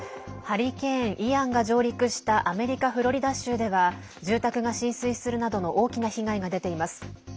ハリケーン、イアンが上陸したアメリカ・フロリダ州では住宅が浸水するなどの大きな被害が出ています。